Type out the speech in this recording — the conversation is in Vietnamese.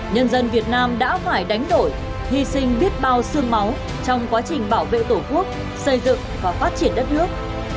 nhân dân việt nam đã phải đánh đổi hy sinh biết bao sương máu trong quá trình bảo vệ tổ quốc xây dựng và phát triển đất nước